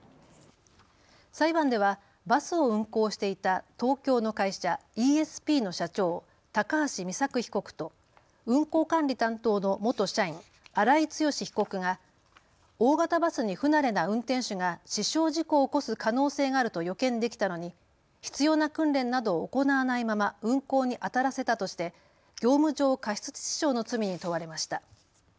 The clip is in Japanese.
裁判ではバスを運行していた東京の会社、イーエスピーの社長、高橋美作被告と運行管理担当の元社員、荒井強被告が大型バスに不慣れな運転手が死傷事故を起こす可能性があると予見できたのに必要な訓練などを行わないまま運行にあたらせたとして業務上過失致死傷の罪に問われました。